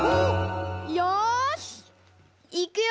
よしいくよ！